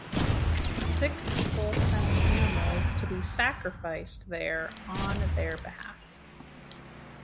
Sick people send animals to be sacrificed there on their behalf.